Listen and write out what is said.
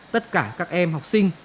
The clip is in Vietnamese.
tất cả các em học sinh